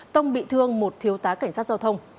tông bị thương một thiếu tá cảnh sát giao thông